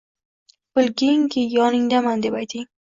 Bilginki, yoningdaman?” deb ayting.